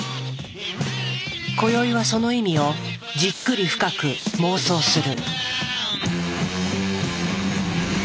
こよいはその意味をじっくり深く妄想する。